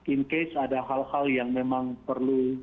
in case ada hal hal yang memang perlu